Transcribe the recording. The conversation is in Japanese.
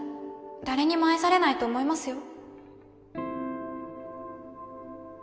誰にも愛されないと思いますよ